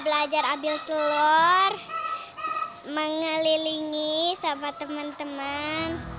belajar ambil telur mengelilingi sama teman teman